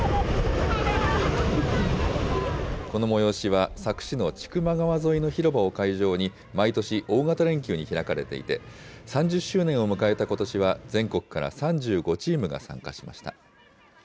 この催しは、佐久市の千曲川沿いの広場を会場に、毎年大型連休に開かれていて、３０周年を迎えたことしは、全国から３５チームが参加しました。